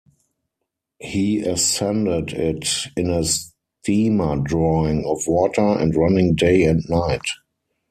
He ascended it in a steamer drawing of water, and running day and night.